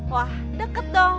wah deket dong